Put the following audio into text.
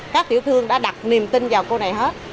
các tiểu thương đã đặt niềm tin vào cô này hết